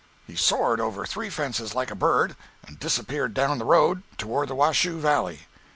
He soared over three fences like a bird, and disappeared down the road toward the Washoe Valley.